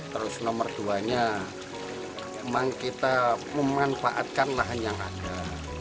kemudian kedua kita memang memanfaatkan lahan yang ada